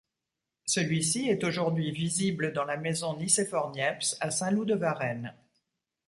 Celui-ci est aujourd'hui visible dans la Maison Nicéphore Niépce à Saint-Loup-de-Varennes.